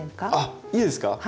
あっいいですか？